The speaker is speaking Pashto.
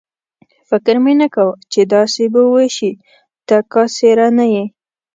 فکر مې نه کاوه چې داسې به وشي، ته کاسېره نه یې.